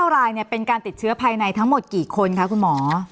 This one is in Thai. รายเป็นการติดเชื้อภายในทั้งหมดกี่คนคะคุณหมอ